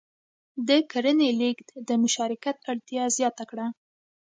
د کرنې لېږد د مشارکت اړتیا زیاته کړه.